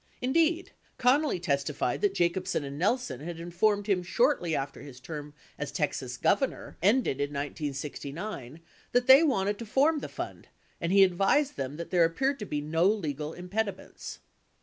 Indeed, Connally testified that Jacobsen and Nelson had informed him shortly after his term as Texas Governor ended in 1969 that they wanted to form the fund, and he advised them that there appeared to be no legal impediments.